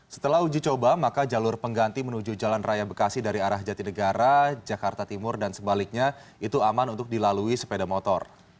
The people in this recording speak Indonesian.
setelah uji coba maka jalur pengganti menuju jalan raya bekasi dari arah jatinegara jakarta timur dan sebaliknya itu aman untuk dilalui sepeda motor